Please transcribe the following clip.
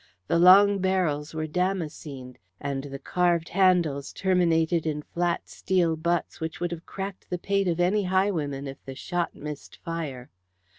The long barrels were damascened, and the carved handles terminated in flat steel butts which would have cracked the pate of any highwayman if the shot missed fire.